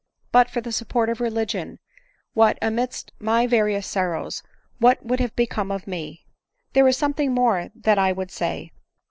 But for the support of religion, what, amidst my various sorrows, what would have be come of me? " There is something more that I would say.